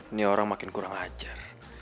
ini orang makin kurang ajar